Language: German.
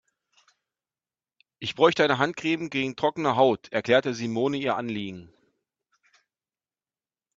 Ich bräuchte eine Handcreme gegen trockene Haut, erklärte Simone ihr Anliegen.